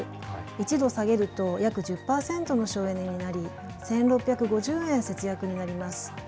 １度下げると約１０％の省エネになり１６５０円の節約になります。